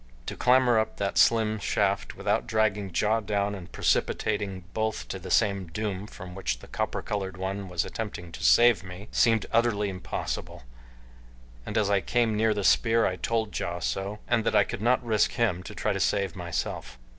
To clamber up that slim shaft without dragging Ja down and precipitating both to the same doom from which the copper colored one was attempting to save me seemed utterly impossible, and as I came near the spear I told Ja so, and that I could not risk him to try to save myself.